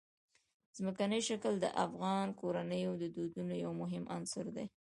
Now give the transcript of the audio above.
ځمکنی شکل د افغان کورنیو د دودونو یو مهم عنصر دی.